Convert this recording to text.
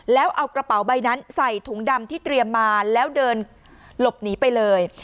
แล้วเอากระเป๋าใบนั้นใส่ถุงดำที่เตรียมมาแล้วเดินหลบหนีไปเลย